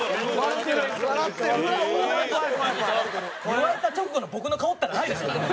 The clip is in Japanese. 言われた直後の僕の顔ったらないでしょ。